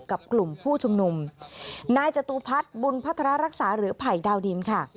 กับกลุ่มผู้ชุมนุมนายจตุพัฒน์บุญพัฒนารักษาหรือไผ่ดาวดินค่ะ